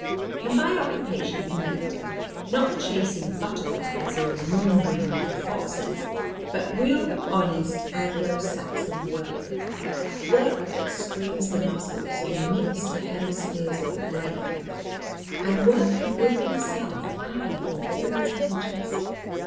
And by occupation he meant, not the chasing of butterflies, or maundering after foxes, but real honest Anglo Saxon work; work that strings the muscles, or knits the hemispheres of the brain. And work he would himself, ay, and with all his energies.